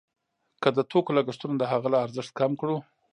که د توکو لګښتونه د هغه له ارزښت کم کړو